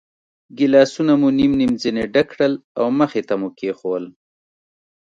ګیلاسونه مو نیم نیم ځنې ډک کړل او مخې ته مو کېښوول.